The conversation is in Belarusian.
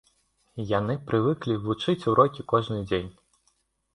Яны прывыклі вучыць урокі кожны дзень.